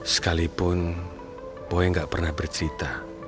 sekalipun boy gak pernah bercerita